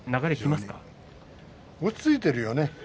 落ち着いてるよね。